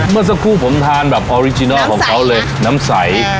เมื่อสักครู่ผมทานแบบออริจินัลของเขาเลยน้ำใส